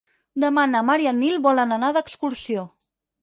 Demà na Mar i en Nil volen anar d'excursió.